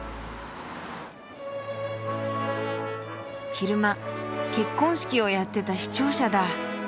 昼間結婚式をやってた市庁舎だ。